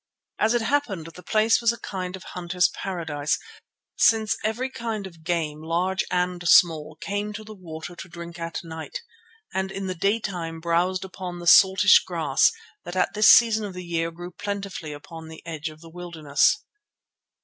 As it happened, the place was a kind of hunter's paradise, since every kind of game, large and small, came to the water to drink at night, and in the daytime browsed upon the saltish grass that at this season of the year grew plentifully upon the edge of the wilderness.